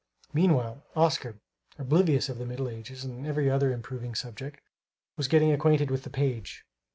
Meanwhile, Oscar, oblivious of the Middle Ages and every other improving subject, was getting acquainted with the page.